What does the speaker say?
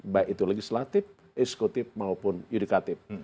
baik itu legislatif eksekutif maupun yudikatif